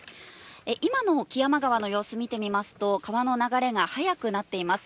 今の木山川の様子、見てみますと、川の流れが速くなっています。